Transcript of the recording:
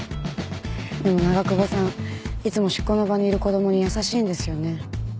でも長窪さんいつも執行の場にいる子供に優しいんですよね。